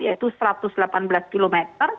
yaitu satu ratus delapan belas km